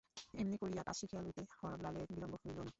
এমনি করিয়া কাজ শিখিয়া লইতে হরলালের বিলম্ব হইল না।